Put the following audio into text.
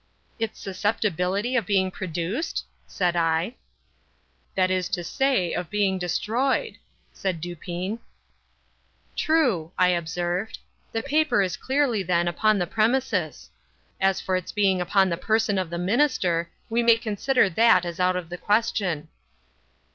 "Its susceptibility of being produced?" said I. "That is to say, of being destroyed," said Dupin. "True," I observed; "the paper is clearly then upon the premises. As for its being upon the person of the minister, we may consider that as out of the question."